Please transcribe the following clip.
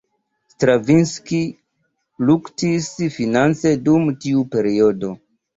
Stravinski luktis finance dum tiu periodo.